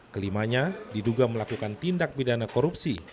kelimanya diduga melakukan tindak pidana korupsi